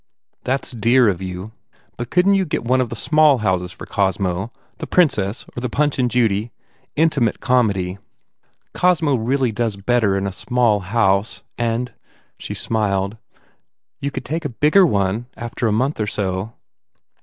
"That s dear of you. But couldn t you get one of the small houses for Cosmo? The Princess or the Punch and Judy? Intimate comedy. Cosmo 225 THE FAIR REWARDS really does better in a small house. And " she smiled "you could take a bigger one after a month or so."